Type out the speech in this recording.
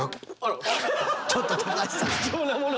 ちょっと高橋さん！